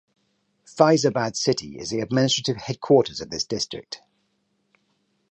Faizabad city is the administrative headquarters of this district.